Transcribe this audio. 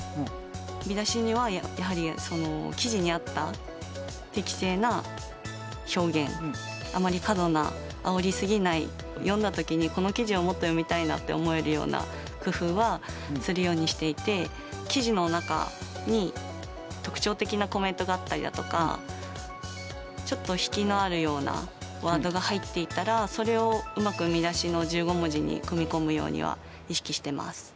見出しにはやはりその記事に合った適正な表現あまり過度なあおり過ぎない読んだ時にこの記事をもっと読みたいなって思えるような工夫はするようにしていて記事の中に特徴的なコメントがあったりだとかちょっと引きのあるようなワードが入っていたらそれをうまく見出しの１５文字に組み込むようには意識してます。